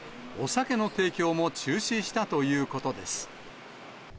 お酒の提供も中止したということです。